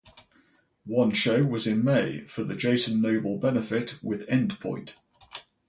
One show was in May for the Jason Noble Benefit with Endpoint.